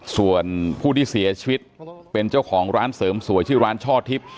ส่วนผู้ที่เสียชีวิตเป็นเจ้าของร้านเสริมสวยชื่อร้านช่อทิพย์